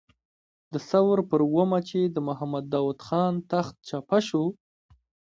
د ثور پر اوومه چې د محمد داود خان تخت چپه شو.